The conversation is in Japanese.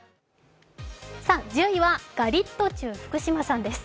１０位はガリットチュウ福島さんです。